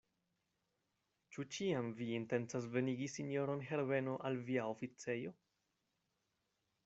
Ĉu ĉiam vi intencas venigi sinjoron Herbeno al via oficejo?